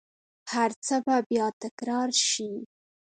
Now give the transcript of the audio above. هرڅه به بیا تکرار شي